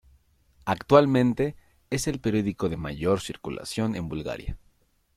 Actualmente es el periódico de mayor circulación en Bulgaria.